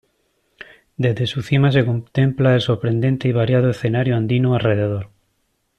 Desde su cima se contempla el sorprendente y variado escenario andino alrededor.